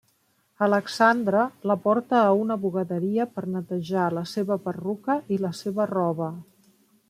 Alexandra la porta a una bugaderia per netejar la seva perruca i la seva roba.